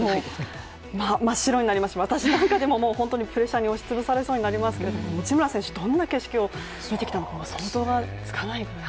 真っ白になりますし私なんかでもプレッシャーに押しつぶされそうになりますけど、内村選手、どんな景色を見てきたか想像がつかないです。